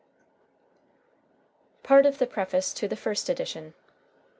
"] PART OF THE PREFACE TO THE FIRST EDITION.